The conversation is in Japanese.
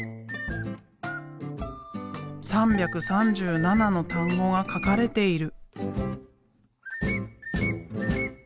３３７の単語が書かれている。